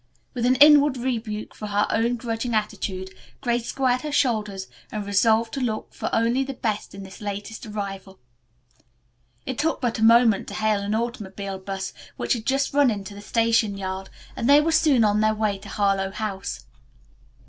With an inward rebuke for her own grudging attitude, Grace squared her shoulders and resolved to look for only the best in this latest arrival. It took but a moment to hail an automobile bus which had just run into the station yard, and they were soon on their way to Harlowe House.